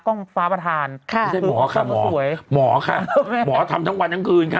ฟ้าประธานค่ะไม่ใช่หมอค่ะหมอสวยหมอค่ะหมอทำทั้งวันทั้งคืนค่ะ